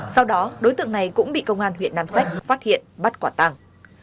sau đó đối tượng này cũng bị công an huyện nam sách phát hiện bắt quả tàng